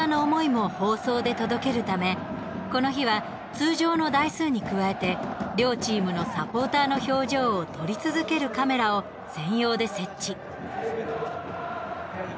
選手だけでなく、サポーターの思いも放送で届けるためこの日は、通常の台数に加えて両チームのサポーターの表情を撮り続けるカメラを専用で設置。